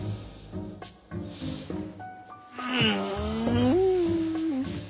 うん。